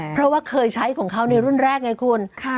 เพราะเคยใช้ในรุ่นแรกไงคุณ